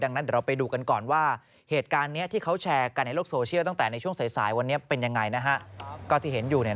น่าสุขสารเนอะ